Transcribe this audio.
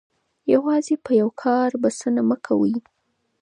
یوازې په یو کار بسنه مه کوئ.